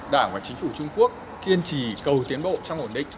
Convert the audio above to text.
đảng và chính phủ trung quốc kiên trì cầu tiến bộ trong ổn định